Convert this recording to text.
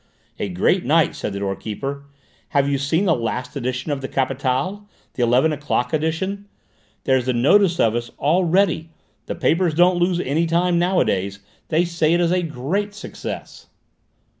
"A great night," said the door keeper. "Have you seen the last edition of the Capitale, the eleven o'clock edition? There's a notice of us already. The papers don't lose any time nowadays. They say it is a great success."